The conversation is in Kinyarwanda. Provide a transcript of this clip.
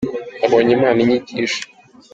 Nabonye Imana inyigisha.